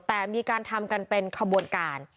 แต่มีการทำกันเป็นขบวนการ